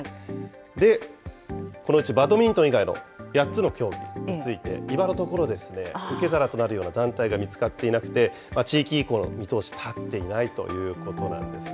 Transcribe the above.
で、このうちバドミントン以外の８つの競技について、今のところ、受け皿となるような団体が見つかっていなくて、地域移行の見通し立っていないということなんですね。